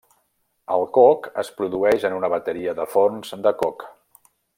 El coc es produeix en una bateria de forns de coc.